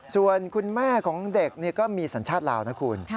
ส่วนคุณแม่ของเด็กก็มีสัญชาติลาวนะคุณ